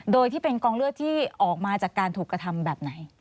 โดยที่เป็นกองเลือดที่ออกมาจากการถูกกระทำแบบไหน